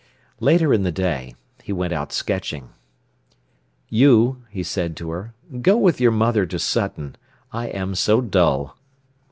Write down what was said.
Later in the day he went out sketching. "You," he said to her, "go with your mother to Sutton. I am so dull."